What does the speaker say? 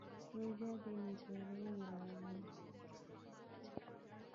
روژه د نېکمرغۍ راز دی.